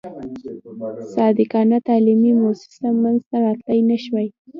صادقانه تعلیمي موسسه منځته راتلای نه شوای.